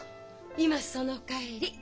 今その帰り。